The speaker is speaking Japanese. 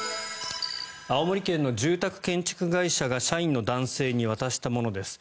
青森県の住宅建築会社が社員の男性に渡したものです。